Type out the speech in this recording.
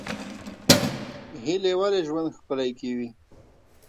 هیلې ولې ژوند ښکلی کوي؟